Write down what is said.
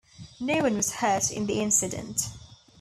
No one was hurt in the incident.